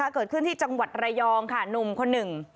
เกิดขึ้นที่จังหวัดระยองค่ะหนุ่มคนหนึ่ง